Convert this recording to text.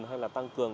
hay là tăng cường